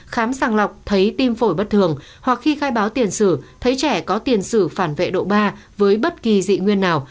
khám sàng lọc thấy tim phổi bất thường hoặc khi khai báo tiền sử thấy trẻ có tiền sử phản vệ độ ba với bất kỳ dị nguyên nào